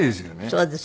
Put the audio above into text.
そうです。